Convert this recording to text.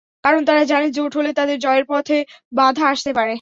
কারণ, তারা জানে জোট হলে তাদের জয়ের পথে বাধা আসতে পারে।